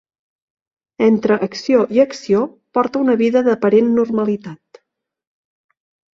Entre acció i acció porta una vida d'aparent normalitat.